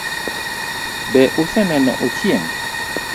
Be use neno Ochieng?